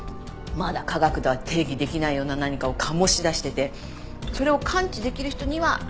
まだ科学では定義できないような何かを醸し出しててそれを感知できる人にはわかっちゃうみたいな。